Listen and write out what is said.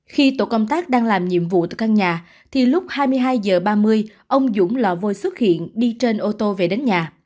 khi tổ công tác đang làm nhiệm vụ từ căn nhà thì lúc hai mươi hai h ba mươi ông dũng lò vôi xuất hiện đi trên ô tô về đến nhà